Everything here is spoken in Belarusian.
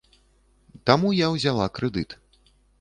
Таму я ўзяла крэдыт.